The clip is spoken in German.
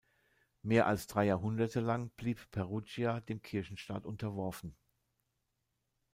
Mehr als drei Jahrhunderte lang blieb Perugia dem Kirchenstaat unterworfen.